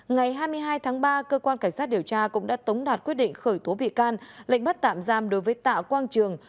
ngày hai mươi hai tháng ba cơ quan cảnh sát điều tra cũng đã tống đạt quyết định khởi tố bị can lệnh bắt tạm giam đối với tạ quang trường